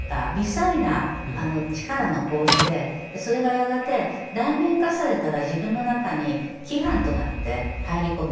それがやがて内面化されたら自分の中に規範となって入り込む。